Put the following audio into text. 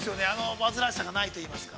煩わしさがないといいますか。